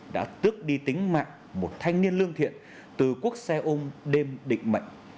đã tước đi tính mạng một thanh niên lương thiện từ quốc xe ôm đêm định mệnh